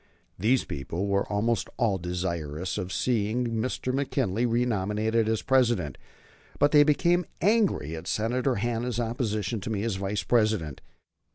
These people were almost all desirous of seeing Mr. McKinley renominated as President, but they became angry at Senator Hanna's opposition to me as Vice President.